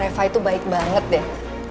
eva itu baik banget deh